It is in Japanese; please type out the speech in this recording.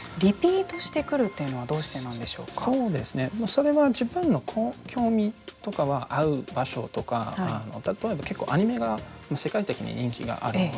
それは自分の興味とかが合う場所とか例えば結構アニメが世界的に人気があるので。